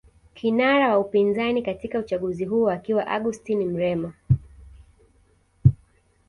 Kinara wa upinzani katika uchaguzi huo akiwa Augustino Mrema